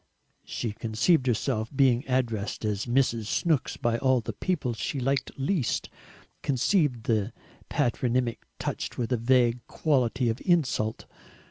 She conceived herself being addressed as Mrs. Snooks by all the people she liked least, conceived the patronymic touched with a vague quality of insult.